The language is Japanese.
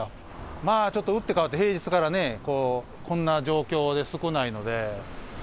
まあ、ちょっと打って変わって平日からね、こんな状況で少ないので。